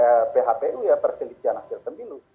tapi juga dengan ppr yang terselisihkan akhir kembilu